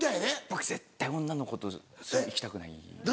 僕絶対女の子と行きたくないんですよ。